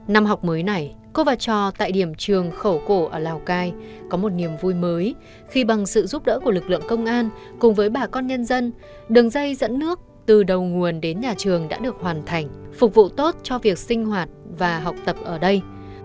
năm học mới này cô và cho tại điểm trường khẩu cổ ở lào cai có một niềm vui mới khi bằng sự giúp đỡ của lực lượng công an cùng với bà con nhân dân đường dây dẫn nước từ đầu nguồn đến nhà trường đã được hoàn thành phục vụ tốt cho việc sinh hoạt và học tập ở đây